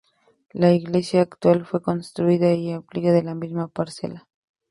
La iglesia actual fue construida y ampliado en la misma parcela.